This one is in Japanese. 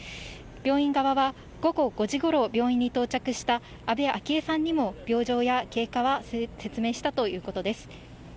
病院側は午後５時ごろ、病院に到着した安倍昭恵さんにも、病状や経過は説明したということです。